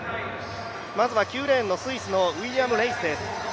まずは９レーンの、スイスのウィリアム・レイスです。